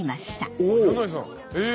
え！